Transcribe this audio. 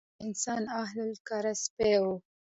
لومړنی حیوان چې انسان اهلي کړ سپی و.